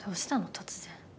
突然。